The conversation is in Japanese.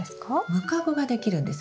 ムカゴができるんです。